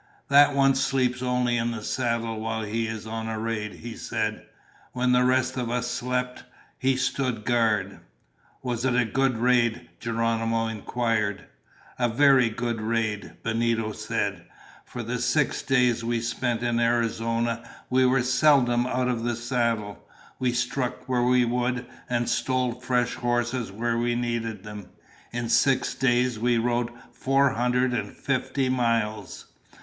"That one sleeps only in the saddle while he is on a raid!" he said. "When the rest of us slept, he stood guard!" "Was it a good raid?" Geronimo inquired. "A very good raid," Benito said. "For the six days we spent in Arizona, we were seldom out of the saddle. We struck where we would, and stole fresh horses where we needed them. In six days we rode four hundred and fifty miles."